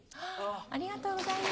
ありがとうございます。